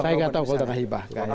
saya nggak tahu kalau dana hibah